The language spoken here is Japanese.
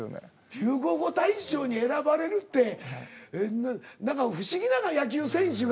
流行語大賞に選ばれるって何か不思議な野球選手が。